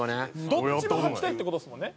どっちも穿きたいって事ですもんね？